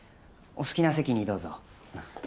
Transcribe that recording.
お好きな席にどうぞ。